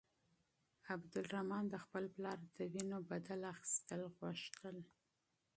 عبدالرحمن د خپل پلار د وينو قصاص اخيستل غوښتل.